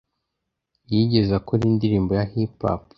yigeze akora indirimbo ya Hip Hop